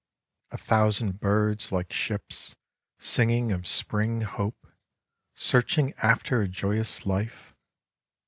A thousand birds, like ships, singing of Spring hope, searching after a joyous life.